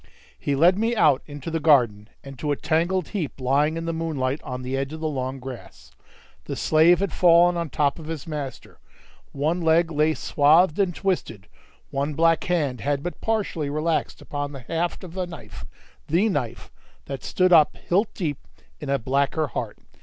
He led me out into the garden, and to a tangled heap lying in the moonlight, on the edge of the long grass. The slave had fallen on top of his master; one leg lay swathed and twisted; one black hand had but partially relaxed upon the haft of a knife (the knife) that stood up hilt deep in a blacker heart.